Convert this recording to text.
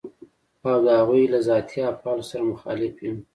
او د هغوی له ذاتي افعالو سره مخالف يم.